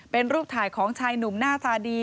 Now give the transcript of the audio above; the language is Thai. เป็นรูปถ่ายของชายหนุ่มหน้าตาดี